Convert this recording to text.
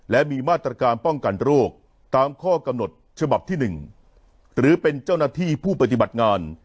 และมีมาตรการป้องกันโรคตามข้อกำหนดฉบับที่๑หรือเป็นเจ้าหน้าที่ผู้ปฏิบัติงาน